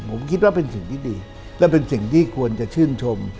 ผมคิดว่าเป็นสิ่งที่ดีและเป็นสิ่งที่ควรจะชื่นชม